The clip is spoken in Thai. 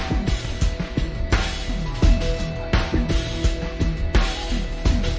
กูกินไม่ได้ทุกคนสายไหม